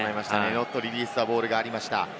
ノットリリースザボールがありました。